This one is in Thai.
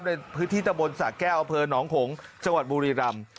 ในพื้นที่ตะบนสะแก้วอำเภอหนองขงจังหวัดบุรีรำ